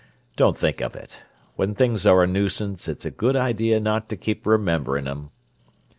Don't think of it. When things are a nuisance it's a good idea not to keep remembering 'em."